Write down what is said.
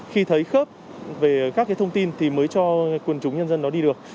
khi thấy khớp về các thông tin thì mới cho quần chúng dân dân đó đi được